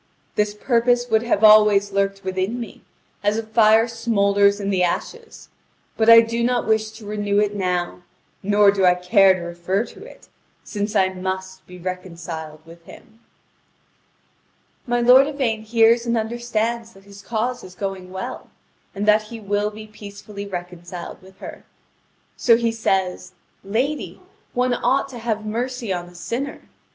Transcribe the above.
This purpose would have always lurked within me, as a fire smoulders in the ashes; but I do not wish to renew it now, nor do I care to refer to it, since I must be reconciled with him." (Vv. 6777 6798.) My lord Yvain hears and understands that his cause is going well, and that he will be peacefully reconciled with her. So he says: "Lady, one ought to have mercy on a sinner.